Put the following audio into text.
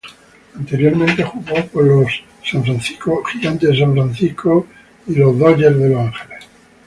Anteriormente jugó con los San Francisco Giants y Los Angeles Dodgers.